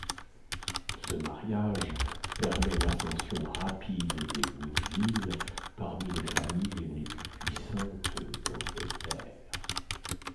Ce mariage permet l'ascension rapide des Woodville parmi les familles les plus puissantes d'Angleterre.